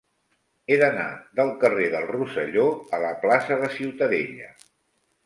He d'anar del carrer del Rosselló a la plaça de Ciutadella.